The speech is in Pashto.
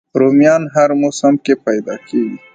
رومیان هر موسم کې پیدا کېږي